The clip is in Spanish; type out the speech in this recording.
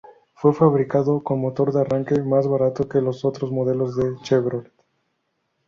Fue fabricado con motor de arranque, más barato que los otros modelos de Chevrolet.